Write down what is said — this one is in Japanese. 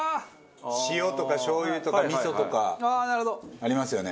塩とかしょう油とか味噌とかありますよね。